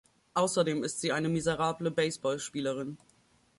Außerdem ist sie eine miserable Baseball-Spielerin.